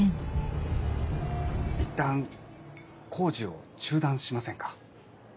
いったん工事を中断しませんか？